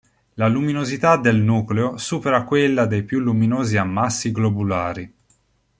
La luminosità del nucleo supera quella dei più luminosi ammassi globulari.